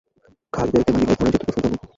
খালিদের দেমাগও এ ধরনের যুদ্ধ-কৌশল জন্ম দিত।